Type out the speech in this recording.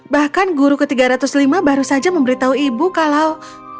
bahkan guru ke tiga ratus lima baru saja memberitahu ibu kalau